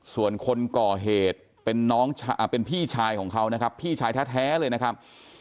ส่วนคนก่อเหตุเป็นน้องเป็นพี่ชายของเขานะครับพี่ชายแท้เลยนะครับ